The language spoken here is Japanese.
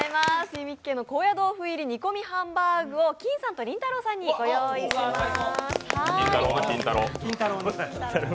ゆみっきーの高野豆腐入り煮込みハンバーグをきんさんと、りんたろーさんにご用意しました。